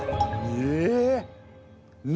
え？